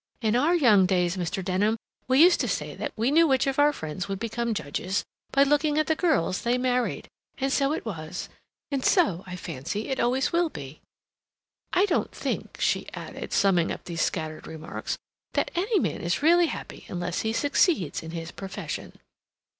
In our young days, Mr. Denham, we used to say that we knew which of our friends would become judges, by looking at the girls they married. And so it was, and so, I fancy, it always will be. I don't think," she added, summing up these scattered remarks, "that any man is really happy unless he succeeds in his profession."